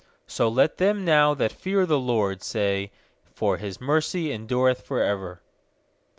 4So let them now that fear the* LORD say, For His mercy endureth for ever.